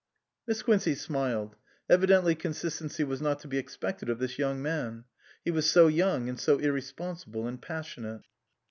Miss Quincey smiled. Evidently consistency was not to be expected of this young man. He was so young, and so irresponsible and passion ate.